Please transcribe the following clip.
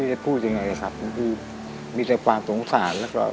เอาไปพูดยังไงนะครับมีแต่ความสงสารแล้ว